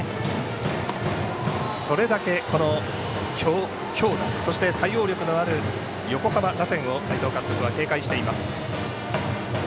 それだけ強打そして、対応力のある横浜打線を斎藤監督は警戒しています。